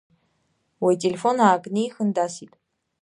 Уи ателефон аакнихын, дасит.